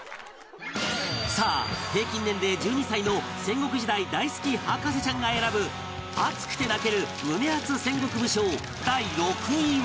さあ平均年齢１２歳の戦国時代大好き博士ちゃんが選ぶ熱くて泣ける胸アツ戦国武将第６位は